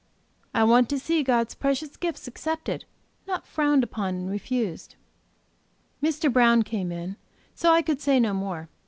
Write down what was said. I want to see God's precious gifts accepted, not frowned upon and refused." Mr. Brown came in, so I could say no more.